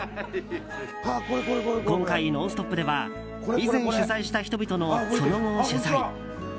今回、「ノンストップ！」では以前取材した人々のその後を取材。